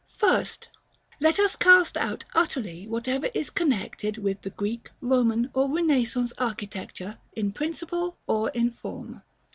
First, let us cast out utterly whatever is connected with the Greek, Roman, or Renaissance architecture, in principle or in form.